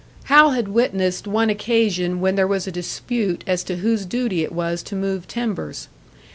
Hal had witnessed one occasion when there was a dispute as to whose duty it was to move timbers.